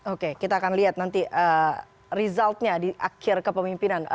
oke kita akan lihat nanti resultnya di akhir kepemimpinan